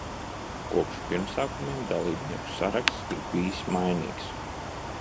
Kopš pirmsākumiem, dalībnieku saraksts ir bijis mainīgs.